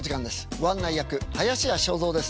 ご案内役林家正蔵です。